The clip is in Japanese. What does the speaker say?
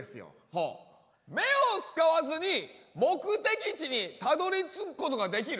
はあ目を使わずに目的地にたどりつくことができる？